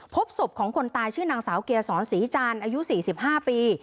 พบศพของคนตายชื่อนางสาวเกียร์สรรภ์อายุ๔๕ปี